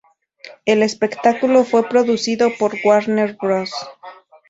El espectáculo fue producido por Warner Bros.